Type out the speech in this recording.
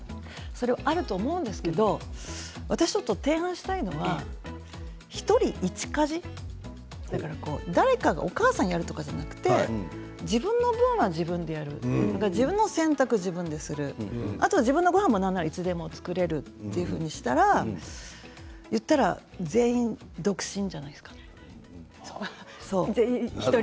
それは、あると思うんですけど私ちょっと提案したいのが１人、１家事お母さんがやるんじゃなくて自分の分は自分でやる自分の洗濯を自分でする自分のごはんもいつでも作れるというふうにしたら全員独身じゃないですか。